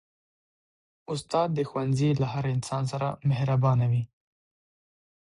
استاد د ښوونځي له هر انسان سره مهربانه وي.